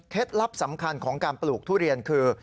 ลับสำคัญของการปลูกทุเรียนคือ